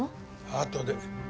あとで。